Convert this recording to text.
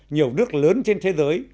nhiều nước lớn trên thế giới